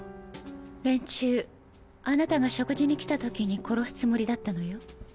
連中あなたが食事に来た時に殺すつもりだったのよ。